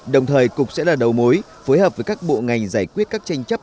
đồng thời cục sẽ là đầu mối phối hợp với các bộ ngành giải quyết các tranh chấp